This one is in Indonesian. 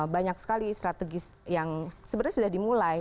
banyak sekali strategis yang sebenarnya sudah dimulai